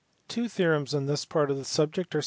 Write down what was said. Two theorems on this part of the subject aiv